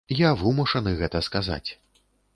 Я вымушаны гэта сказаць.